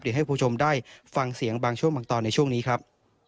เดี๋ยวให้คุณผู้ชมได้ฟังเสียงบางช่วงบางตอนในช่วงนี้ครับ